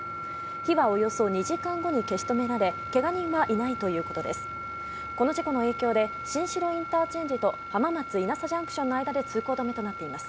火はおよそ２時間後に消し止められ、けが人はいないということです。